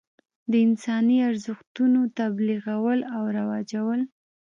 د انساني ارزښتونو تبلیغول او رواجول.